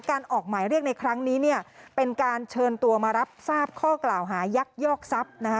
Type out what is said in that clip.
ออกหมายเรียกในครั้งนี้เนี่ยเป็นการเชิญตัวมารับทราบข้อกล่าวหายักยอกทรัพย์นะคะ